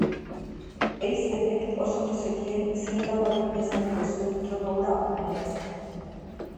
Einsteinek oso ondo zekien zer-nolako ahalegina eskatuko zion tropa hura maneiatzeak.